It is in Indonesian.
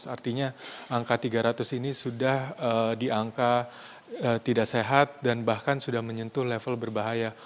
artinya angka tiga ratus ini sudah di angka tidak sehat dan bahkan sudah menyentuh level berbahaya